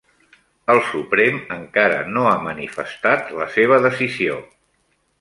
El Suprem encara no ha manifestat la seva decisió